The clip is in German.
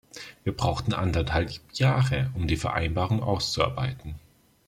Wir brauchten anderthalb Jahre, um die Vereinbarung auszuarbeiten.